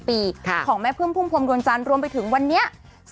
๓๑๑ปีของแม่เพลิงพุ่งพลมดนทรัลรวมไปถึงวันนี้